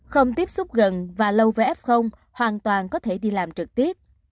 không tiếp xúc gần và lâu với f hoàn toàn có thể đi làm trực tiếp